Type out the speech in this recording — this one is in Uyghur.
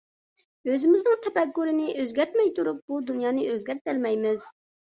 ئۆزىمىزنىڭ تەپەككۇرىنى ئۆزگەرتمەي تۇرۇپ بۇ دۇنيانى ئۆزگەرتەلمەيمىز.